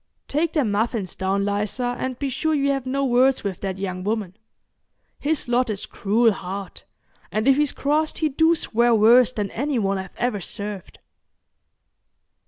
Take them muffins down, Liza, and be sure you have no words with that young woman. His lot is cruel hard, and if he's crossed he do swear worse than any one I've ever served."